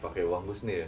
pakai uang husni ya